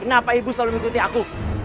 kenapa ibu selalu mengikuti aku